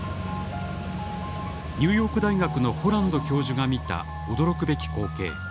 ニューヨーク大学のホランド教授が見た驚くべき光景。